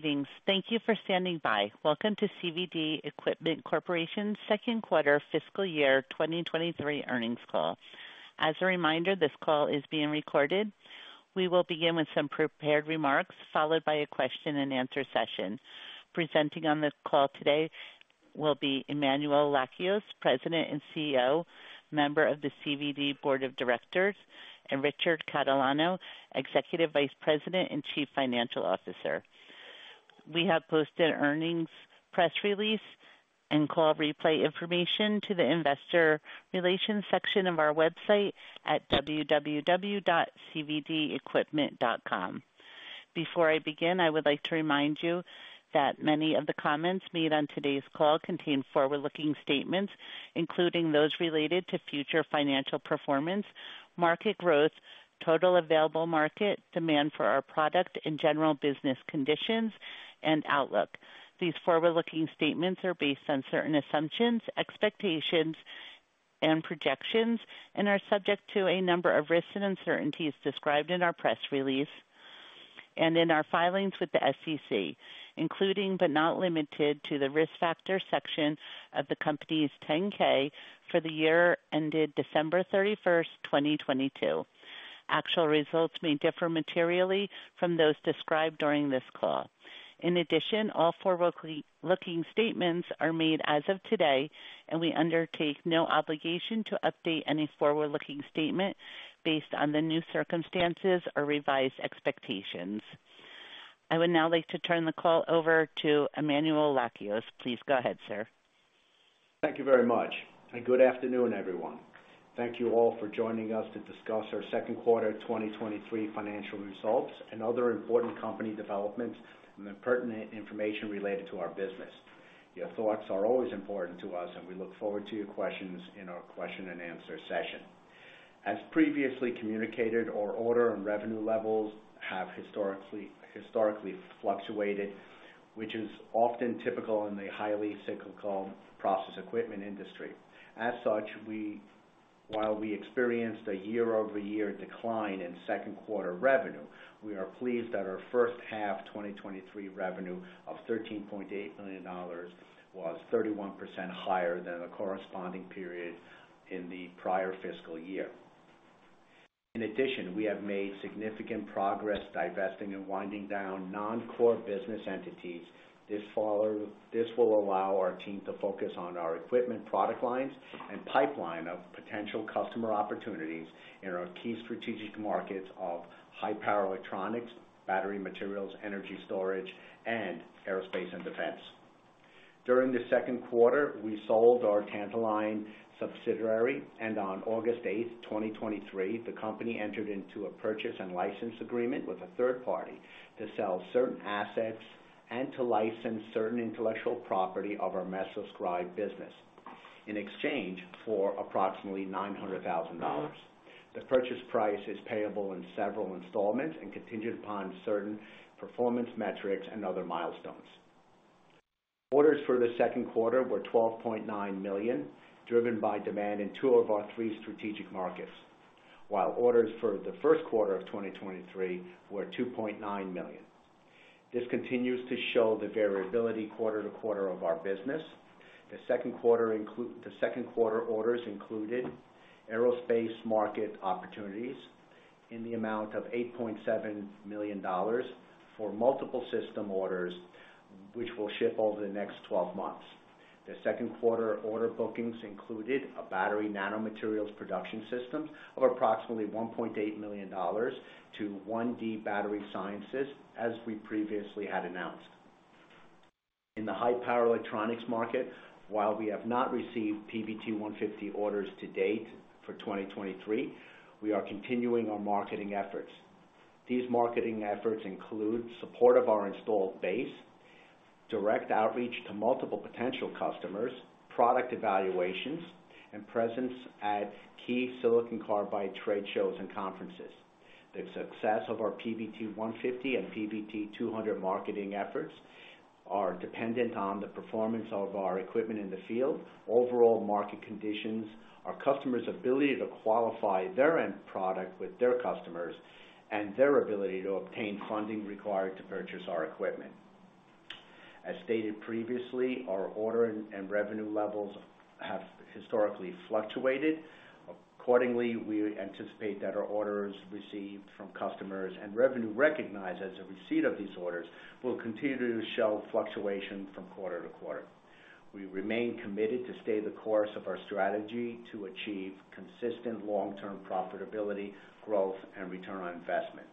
Good evening. Thank you for standing by. Welcome to CVD Equipment Corporation's second quarter fiscal year 2023 earnings call. As a reminder, this call is being recorded. We will begin with some prepared remarks followed by a question and answer session. Presenting on this call today will be Emmanuel Lakios, President and CEO, member of the CVD Board of Directors, and Richard Catalano, Executive Vice President and Chief Financial Officer. We have posted earnings, press release and call replay information to the investor relations section of our website at www.cvdequipment.com. Before I begin I would like to remind you that many of the comments made on today's call contain forward-looking statements, including those related to future financial performance, market growth, total available market, demand for our product, and general business conditions and outlook. These forward-looking statements are based on certain assumptions, expectations, and projections, and are subject to a number of risks and uncertainties described in our press release and in our filings with the SEC, including, but not limited to the Risk Factors section of the Company's 10-K for the year ended December 31st, 2022. Actual results may differ materially from those described during this call. In addition, all forward-looking statements are made as of today and we undertake no obligation to update any forward-looking statement based on the new circumstances or revised expectations. I would now like to turn the call over to Emmanuel Lakios. Please go ahead sir. Thank you very much and good afternoon everyone. Thank you all for joining us to discuss our second quarter 2023 financial results and other important company developments and the pertinent information related to our business. Your thoughts are always important to us and we look forward to your questions in our question and answer session. As previously communicated our order and revenue levels have historically fluctuated, which is often typical in the highly cyclical process equipment industry. As such, while we experienced a year-over-year decline in second quarter revenue, we are pleased that our first half 2023 revenue of $13.8 million was 31% higher than the corresponding period in the prior fiscal year. In addition, we have made significant progress divesting and winding down non-core business entities. This will allow our team to focus on our equipment, product lines, and pipeline of potential customer opportunities in our key strategic markets of high power electronics, battery materials, energy storage, and aerospace and defense. During the second quarter, we sold our Tantaline subsidiary. On August eighth, 2023, the company entered into a purchase and license agreement with a third party to sell certain assets and to license certain intellectual property of our MesoScribe business in exchange for approximately $900,000. The purchase price is payable in several installments and contingent upon certain performance metrics and other milestones. Orders for the second quarter were $12.9 million, driven by demand in two of our year strategic markets while orders for the first quarter of 2023 were $2.9 million. This continues to show the variability quarter-to-quarter of our business. The second quarter orders included aerospace market opportunities in the amount of $8.7 million for multiple system orders, which will ship over the next 12 months. The second quarter order bookings included a battery nanomaterials production system of approximately $1.8 million to OneD Battery Sciences, as we previously had announced. In the high power electronics market, while we have not received PVT150 orders to date for 2023, we are continuing our marketing efforts. These marketing efforts include support of our installed base, direct outreach to multiple potential customers, product evaluations and presence at key silicon carbide trade shows and conferences. The success of our PVT150 and PVT200 marketing efforts are dependent on the performance of our equipment in the field, overall market conditions, our customers' ability to qualify their end product with their customers, and their ability to obtain funding required to purchase our equipment. As stated previously, our order and revenue levels have historically fluctuated. Accordingly we anticipate that our orders received from customers and revenue recognized as a receipt of these orders will continue to show fluctuation from quarter to quarter. We remain committed to stay the course of our strategy to achieve consistent long-term profitability, growth and return on investment.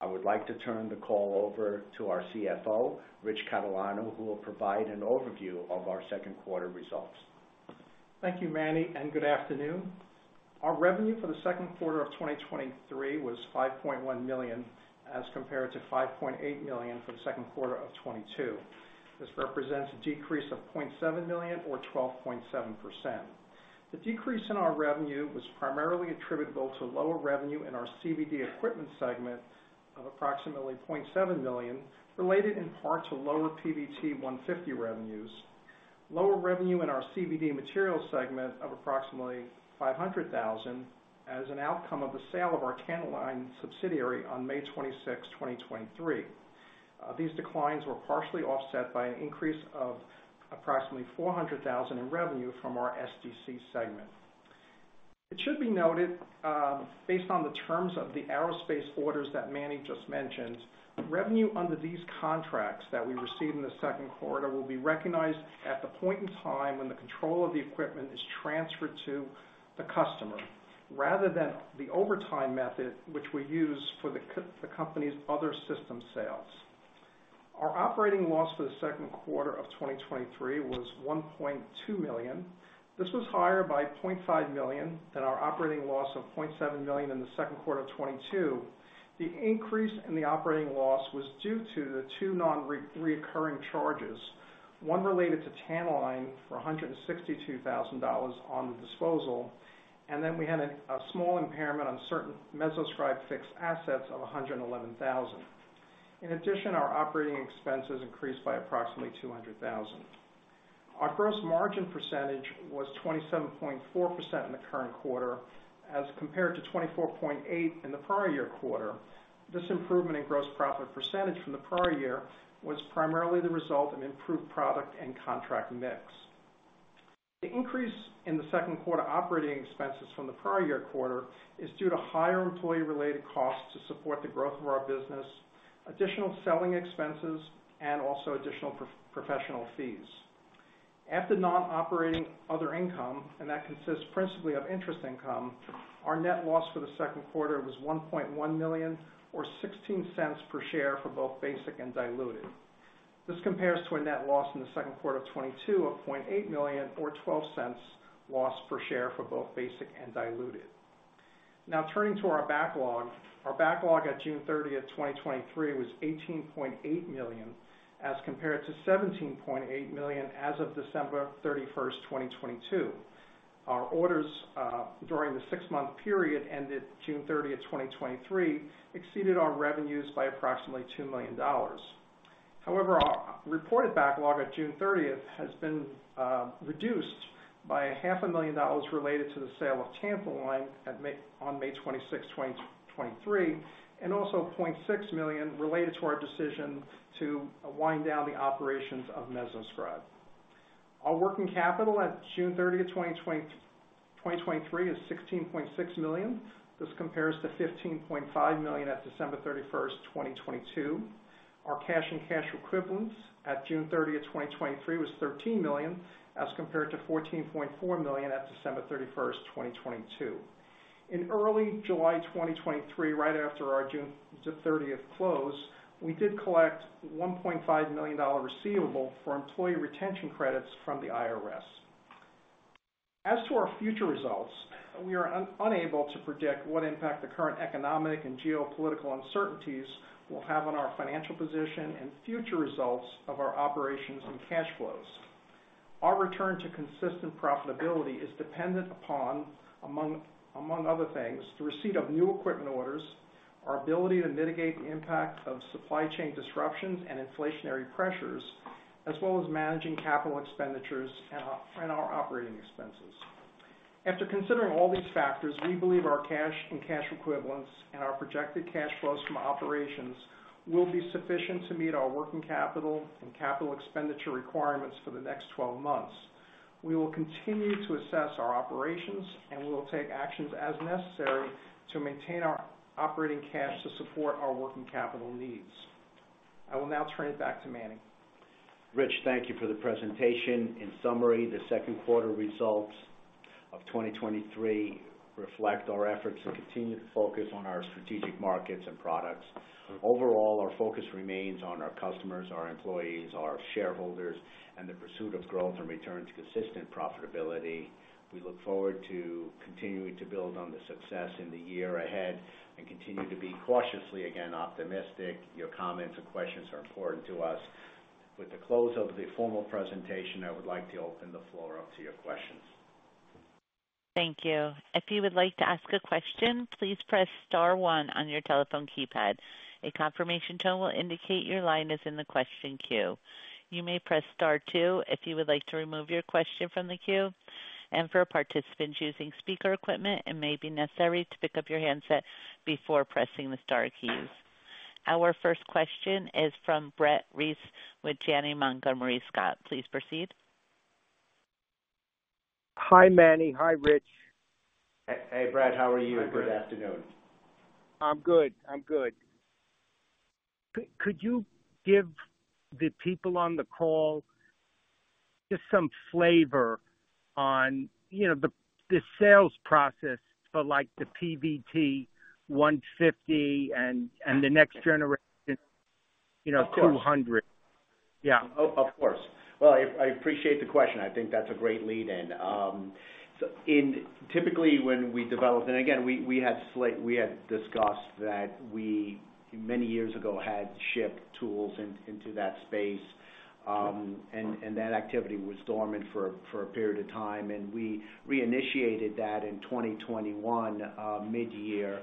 I would like to turn the call over to our CFO Rich Catalano who will provide an overview of our second quarter results. Thank you Manny, and good afternoon. Our revenue for the second quarter of 2023 was $5.1 million, as compared to $5.8 million for the second quarter of 2022. This represents a decrease of $0.7 million or 12.7%. The decrease in our revenue was primarily attributable to lower revenue in our CVD equipment segment of approximately $0.7 million, related in part to lower PVT150 revenues, lower revenue in our CVD materials segment of approximately $500,000, as an outcome of the sale of our Tantaline subsidiary on May 26, 2023. These declines were partially offset by an increase of approximately $400,000 in revenue from our SDC segment. It should be noted based on the terms of the aerospace orders that Manny just mentioned, revenue under these contracts that we received in the second quarter will be recognized at the point in time when the control of the equipment is transferred to the customer rather than the overtime method which we use for the company's other system sales. Our operating loss for the second quarter of 2023 was $1.2 million. This was higher by $0.5 million than our operating loss of $0.7 million in the second quarter of 2022. The increase in the operating loss was due to the two non-recurring charges, one related to Tantaline for $162,000 on the disposal and then we had a small impairment on certain MesoScribe fixed assets of $111,000. In addition, our operating expenses increased by approximately $200,000. Our gross margin percentage was 27.4% in the current quarter as compared to 24.8% in the prior year quarter. This improvement in gross profit percentage from the prior year was primarily the result of improved product and contract mix. The increase in the second quarter operating expenses from the prior year quarter is due to higher employee-related costs to support the growth of our business, additional selling expenses, and also additional professional fees. After non-operating other income, that consists principally of interest income, our net loss for the second quarter was $1.1 million or $0.16 per share for both basic and diluted. This compares to a net loss in the second quarter of 2022 of $0.8 million, or $0.12 loss per share for both basic and diluted. Now turning to our backlog. Our backlog at June 30, 2023, was $18.8 million as compared to $17.8 million as of December 31, 2022. Our orders during the six month period ended June 30, 2023, exceeded our revenues by approximately $2 million. However, our reported backlog at June 30 has been reduced by $500,000 related to the sale of Tantaline on May 26, 2023 and also $0.6 million related to our decision to wind down the operations of MesoScribe. Our working capital at June 30, 2023, is $16.6 million. This compares to $15.5 million at December 31, 2022. Our cash and cash equivalents at June 30, 2023 was $13 million, as compared to $14.4 million at December 31, 2022. In early July 2023, right after our June 30th close we did collect $1.5 million receivable for Employee Retention Credit from the IRS. As to our future results, we are unable to predict what impact the current economic and geopolitical uncertainties will have on our financial position and future results of our operations and cash flows. Our return to consistent profitability is dependent upon, among other things, the receipt of new equipment orders, our ability to mitigate the impact of supply chain disruptions and inflationary pressures, as well as managing capital expenditures and our operating expenses. After considering all these factors, we believe our cash and cash equivalents and our projected cash flows from operations will be sufficient to meet our working capital and capital expenditure requirements for the next 12 months. We will continue to assess our operations and we will take actions as necessary to maintain our operating cash to support our working capital needs. I will now turn it back to Manny. Rich, thank you for the presentation. In summary the second quarter results of 2023 reflect our efforts to continue to focus on our strategic markets and products. Overall our focus remains on our customers, our employees, our shareholders and the pursuit of growth and return to consistent profitability. We look forward to continuing to build on the success in the year ahead and continue to be cautiously, again, optimistic. Your comments and questions are important to us. With the close of the formal presentation, I would like to open the floor up to your questions. Thank you. If you would like to ask a question, please press star one on your telephone keypad. A confirmation tone will indicate your line is in the question queue. You may press star two if you would like to remove your question from the queue. For participants using speaker equipment, it may be necessary to pick up your handset before pressing the star keys. Our first question is from Brett Reiss with Janney Montgomery Scott. Please proceed. Hi Manny. Hi Rich. Hey, hey Brett. How are you? Good afternoon. Hi, Brett. I'm good. I'm good. Could you give the people on the call just some flavor on, you know the sales process for like, the PVT150 and the next generation you know, PVT200? Yeah. Of, of course. Well, I, I appreciate the question. I think that's a great lead in. Typically, when we develop, again we - we had discussed that we, many years ago, had shipped tools into, into that space, that activity was dormant for, for a period of time and we reinitiated that in 2021, midyear,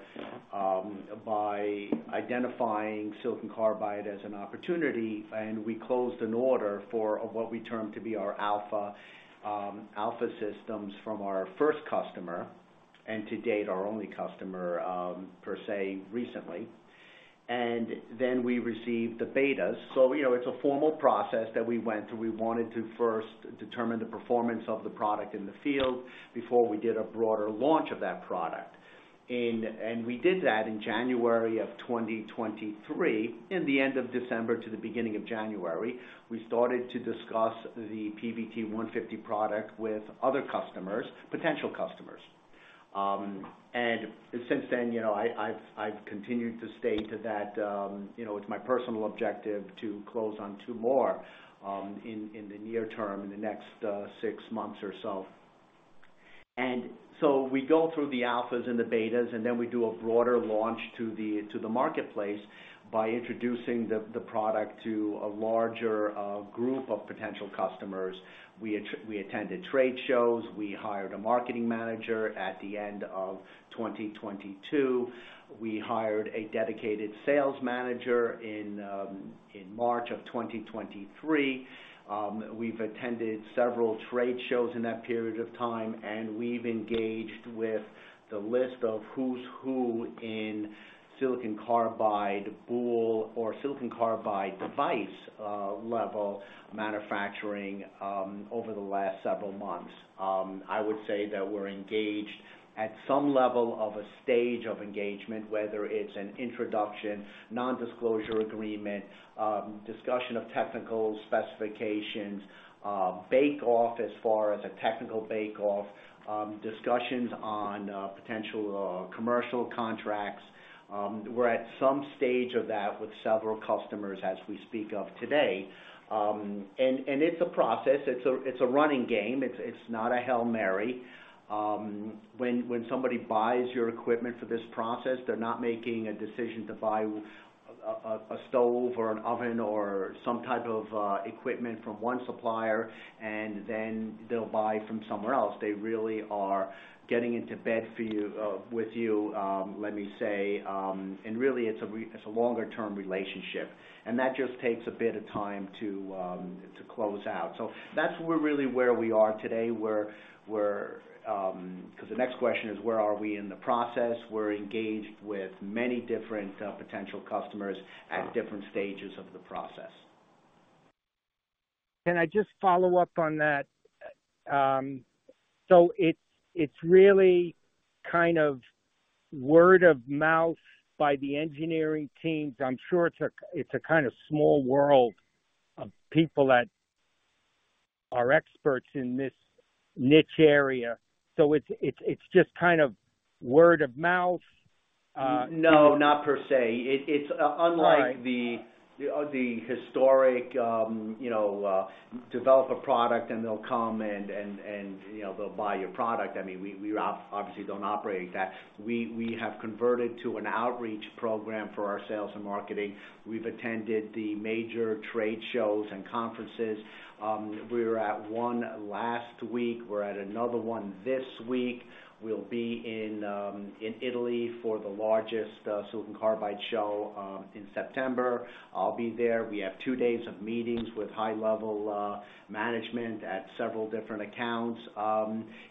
by identifying silicon carbide as an opportunity, we closed an order for what we termed to be our alpha, alpha systems from our first customer. To date, our only customer per se recently, we received the betas. You know, it's a formal process that we went through. We wanted to first determine the performance of the product in the field before we did a broader launch of that product. We did that in January of 2023. In the end of December to the beginning of January, we started to discuss the PVT150 product with other customers, potential customers. Since then, you know, I - I'I've continued to state that, you know, it's my personal objective to close on two more in the near term, in the next six months or so. We go through the alphas and the betas, and then we do a broader launch to the marketplace by introducing the product to a larger group of potential customers. We attended trade shows. We hired a marketing manager at the end of 2022. We hired a dedicated sales manager in March of 2023. We've attended several trade shows in that period of time, and we've engaged with the list of who's who in silicon carbide boule or silicon carbide device level manufacturing over the last several months. I would say that we're engaged at some level of a stage of engagement, whether it's an introduction, nondisclosure agreement, discussion of technical specifications, bake-off as far as a technical bake-off, discussions on potential commercial contracts. We're at some stage of that with several customers as we speak of today. It's a process. It's a, it's a running game. It's, it's not a Hail Mary. When, when somebody buys your equipment for this process, they're not making a decision to buy a stove or an oven or some type of equipment from one supplier, and then they'll buy from somewhere else. They really are getting into bed for you, with you, let me say. Really, it's a longer-term relationship, and that just takes a bit of time to close out. That's really where we are today. We're, because the next question is where are we in the process? We're engaged with many different potential customers at different stages of the process. Can I just follow up on that? It's really kind of word of mouth by the engineering teams. I'm sure it's - it's a kind of small world of people that are experts in this niche area, so it's, it's - it's just kind of word of mouth? No, not per se. All right. Unlike the historic, you know, develop a product and they'll come and, and, and, you know, they'll buy your product, I mean, we, we obviously don't operate like that. We, we have converted to an outreach program for our sales and marketing. We've attended the major trade shows and conferences. We were at one last week. We're at another one this week. We'll be in Italy for the largest silicon carbide show in September. I'll be there. We have 2 days of meetings with high-level management at several different accounts.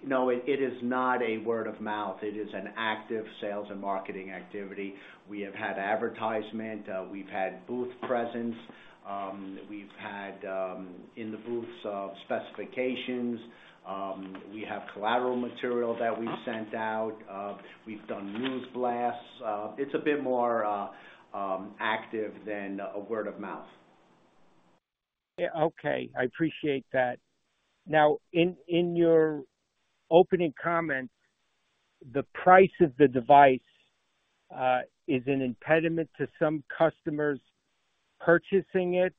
No, it, it is not a word of mouth. It is an active sales and marketing activity. We have had advertisement, we've had booth presence, we've had, in the booths, specifications, we have collateral material that we've sent out, we've done news blasts. It's a bit more active than a word of mouth. Yeah. Okay, I appreciate that. Now in, in your opening comments, the price of the device is an impediment to some customers purchasing it.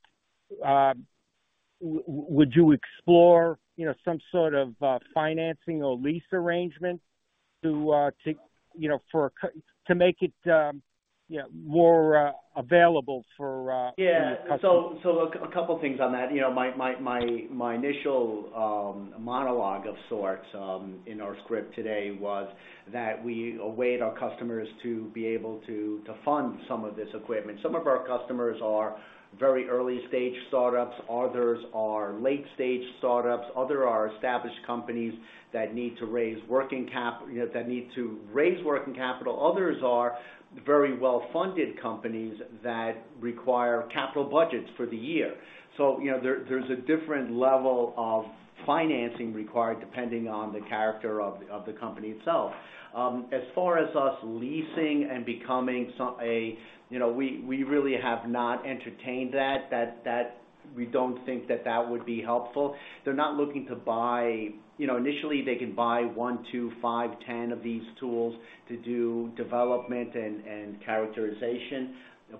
Would you explore, you know, some sort of financing or lease arrangement to, to, you know, for a to make it, yeah, more available for your customers? Yeah. Look, a couple things on that. You know, my, my, my, my initial monologue of sorts, in our script today was that we await our customers to be able to, to fund some of this equipment. Some of our customers are very early-stage startups, others are late-stage startups, other are established companies that need to raise working cap. That need to raise working capital, others are very well-funded companies that require capital budgets for the year. You know, there, there's a different level of financing required, depending on the character of, of the company itself. As far as us leasing and becoming You know, we really have not entertained that, that - that we don't think that that would be helpful. They're not looking to buy. You know, initially they can buy one, two, five, 10 of these tools to do development and, and characterization,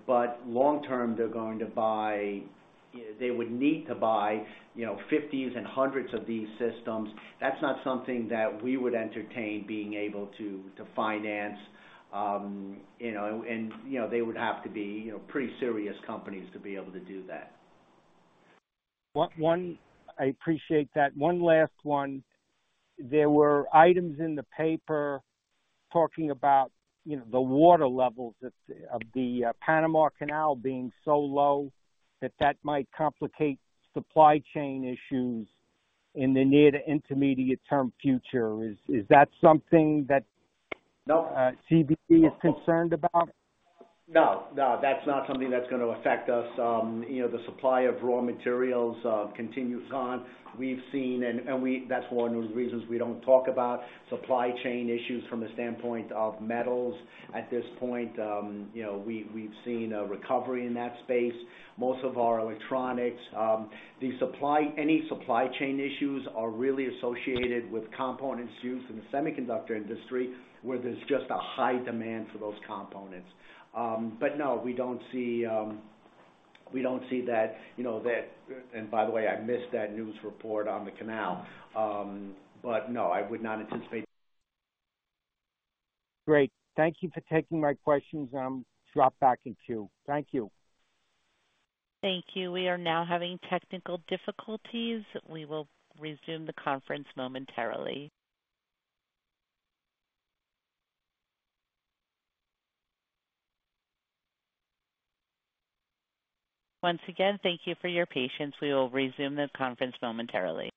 but long term they're going to buy, they would need to buy, you know, 50s and 100s of these systems. That's not something that we would entertain being able to, to finance. You know, they would have to be, you know, pretty serious companies to be able to do that. I appreciate that. One last one. There were items in the paper talking about, you know, the water levels of the Panama Canal being so low that that might complicate supply chain issues in the near to intermediate term future. Is that something that CVD is concerned about? No, no that's not something that's gonna affect us. You know, the supply of raw materials continues on. We've seen. That's one of the reasons we don't talk about supply chain issues from the standpoint of metals at this point. You know, we've - we've seen a recovery in that space. Most of our electronics, any supply chain issues are really associated with components used in the semiconductor industry, where there's just a high demand for those components. But no, we don't see - we don't see that, you know. By the way, I missed that news report on the canal. But no, I would not anticipate. Great. Thank you for taking my questions. Drop back in queue. Thank you. Thank you. We are now having technical difficulties. We will resume the conference momentarily. Once again, thank you for your patience. We will resume the conference momentarily.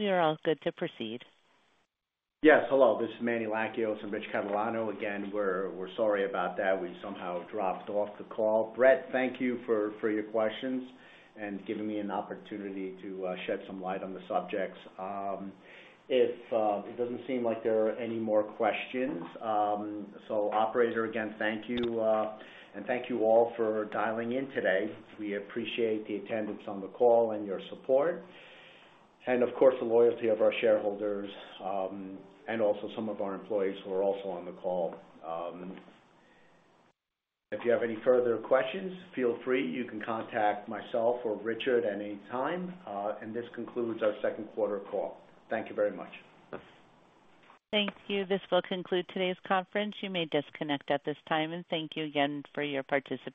We are all good to proceed. Yes. Hello, this is Manny Lakios and Rich Catalano. Again, we're - we're sorry about that. We somehow dropped off the call. Brett thank you for - for your questions and giving me an opportunity to shed some light on the subjects. It doesn't seem like there are any more questions. Operator, again thank you, and thank you all for dialing in today. We appreciate the attendance on the call and your support, and of course, the loyalty of our shareholders, and also some of our employees who are also on the call. If you have any further questions, feel free, you can contact myself or Richard at any time. This concludes our second quarter call. Thank you very much. Thank you. This will conclude today's conference. You may disconnect at this time. Thank you again for your participation.